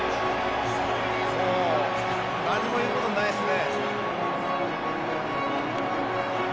もう何も言うことはないですね。